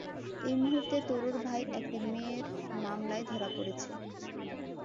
এই মুহুর্তে, তোরর ভাই একটি মেয়ের মামলায় ধরা পড়েছে।